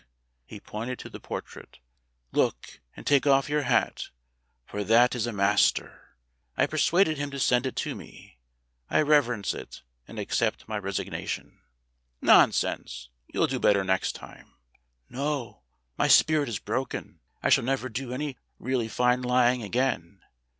He pointed to the portrait. "Look, and take off your hat, for that is a master. I persuaded him to send it me. I reverence it. And accept my resignation." "Nonsense! You'll do better next time." "No, my spirit is broken. I shall never do any really fine lying again.